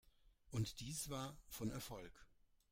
Und dies war von Erfolg.